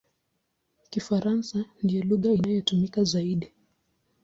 Kifaransa ndiyo lugha inayotumika zaidi.